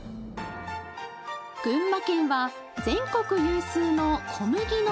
群馬県は全国有数の小麦の産地。